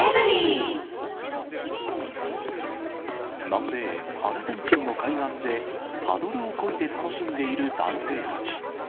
南米アルゼンチンの海岸で、パドルをこいで楽しんでいる男性たち。